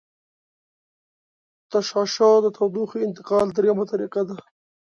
تشعشع د تودوخې انتقال دریمه طریقه ده.